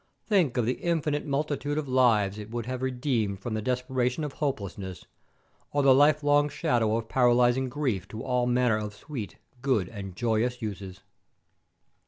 Think of the infinite multitude of lives it would have redeemed from the desperation of hopelessness, or the lifelong shadow of paralysing grief to all manner of sweet, good, and joyous uses!"